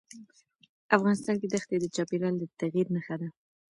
افغانستان کې دښتې د چاپېریال د تغیر نښه ده.